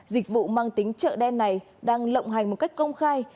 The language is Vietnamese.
dịch vụ mang tính chợ đen này đang lộng hành một cách công khai